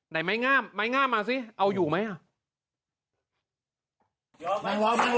ไหนไม้งามไม้งามมาสิเอาอยู่ไหมอ่ะ